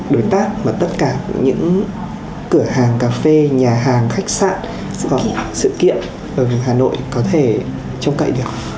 đối tác mà tất cả những cửa hàng cà phê nhà hàng khách sạn sự kiện ở hà nội có thể trông cậy được